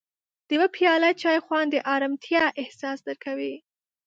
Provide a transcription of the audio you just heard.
د یو پیاله چای خوند د ارامتیا احساس درکوي.